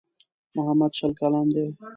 محمد شل کلن دی.